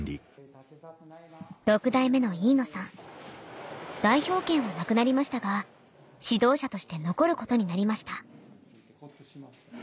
６代目の飯野さん代表権はなくなりましたが指導者として残ることになりました